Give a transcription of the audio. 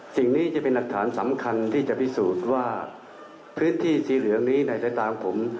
สิ่งนี้จะเป็นหลักฐานสำคัญที่จะพิสูจน์ว่าพื้นที่สีเหลืองนี้ในสายตาของผม